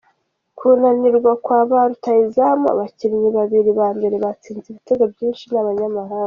Kunanirwa kwa ba rutahizamu: Abakinnyi babiri ba mbere batsinze ibitego byinshi ni abanyamahanga.